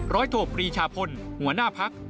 ร้อยโถปรีชาพลหัวหน้าภักษ์